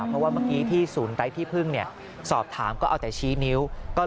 เพราะว่าเมื่อกี้ที่ศูนย์ไร้ที่พึ่งสอบถามก็เอาแต่ชี้นิ้ว